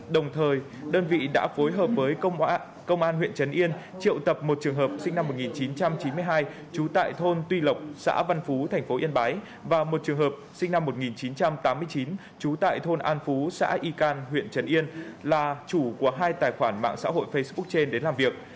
đồng thời đơn vị đã phối hợp với công an huyện trấn yên triệu tập một trường hợp sinh năm một nghìn chín trăm chín mươi hai trú tại thôn tuy lộc xã văn phú thành phố yên bái và một trường hợp sinh năm một nghìn chín trăm tám mươi chín trú tại thôn an phú xã y can huyện trần yên là chủ của hai tài khoản mạng xã hội facebook trên đến làm việc